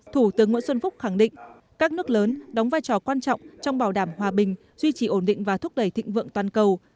thủ tướng nguyễn xuân phúc khẳng định các nước lớn đóng vai trò quan trọng trong bảo đảm hòa bình duy trì ổn định và thúc đẩy thịnh vượng toàn cầu